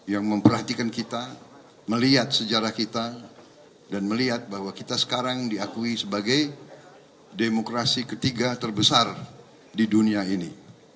yang memperhatikan kita melihat sejarah kita dan melihat bahwa kita sekarang diakui sebagai demokrasi ketiga terbesar di dunia ini